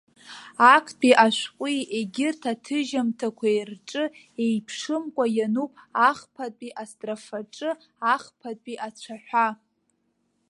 Актәи ашәҟәи егьырҭ аҭыжьымҭақәеи рҿы еиԥшымкәа иануп ахԥатәи астрофаҿы ахԥатәи ацәаҳәа.